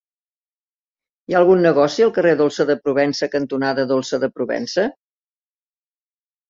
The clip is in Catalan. Hi ha algun negoci al carrer Dolça de Provença cantonada Dolça de Provença?